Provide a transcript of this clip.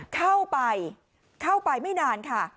เข้าไปเข้าไปไม่นานค่ะ